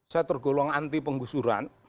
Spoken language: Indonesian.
saya tergolong anti penggusuran